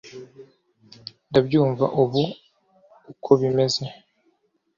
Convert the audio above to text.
ndabyumva ubu uko bimeze.